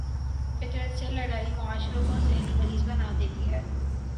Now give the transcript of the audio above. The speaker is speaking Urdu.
فطرت سے لڑائی معاشروں کو ذہنی مریض بنا دیتی ہے۔